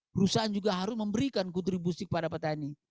perusahaan juga harus memberikan kontribusi kepada petani